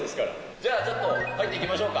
じゃあちょっと入っていきましょうか。